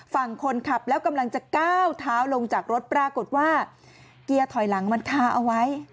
ฝั่งคนขับแล้วกำลังจะก้าวเท้าลงจากรถปรากฏว่าเกียร์ถอยหลังมันคาเอาไว้